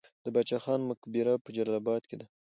د باچا خان مقبره په جلال اباد کې ده